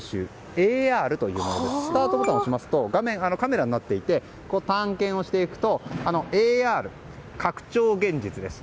ＡＲというものでスタートボタンを押しますとカメラになっていて探検をしていくとＡＲ・拡張現実です。